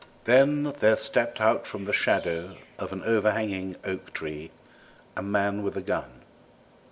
Then there stepped out from the shadow of an overhanging oak tree a man with a gun.